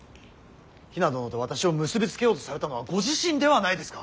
比奈殿と私を結び付けようとされたのはご自身ではないですか。